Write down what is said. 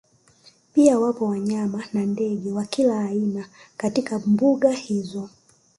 Pia wapo wanyama na ndege wa kila aina katika mbuga hizo